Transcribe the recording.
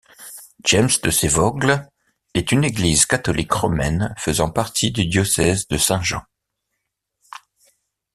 James de Sevogle est une église catholique romaine faisant partie du diocèse de Saint-Jean.